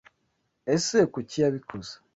Ese Kuki yabikoze?